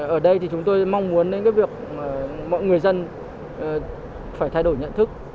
ở đây chúng tôi mong muốn mọi người dân phải thay đổi nhận thức